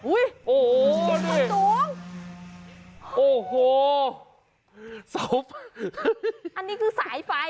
โอ้โหนั่นเองโอ้โหสาวอันนี้คือสายไฟ